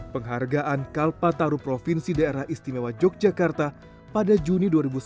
penghargaan kalpataru provinsi daerah istimewa yogyakarta pada juni dua ribu sembilan belas